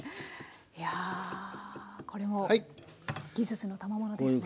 いやあこれもう技術のたまものですね。